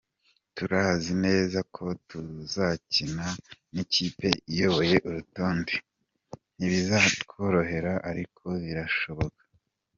Turazi neza ko tuzakina n’ikipe iyoboye urutonde, ntibizatworohera ariko birashoboka.